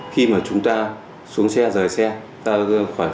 khi mà chúng ta xuống xe rời xe ta khỏi phòng ngừa